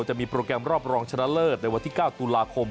จะมีโปรแกรมรอบรองชนะเลิศในวันที่๙ตุลาคม